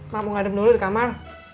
mak mau ngadep dulu di kamar